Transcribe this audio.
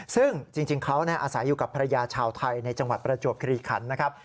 ซึ่งจริงเขาอาศัยอยู่กับภรรยาชาวไทยในจังหวัดประจวบคลีขันนะครับ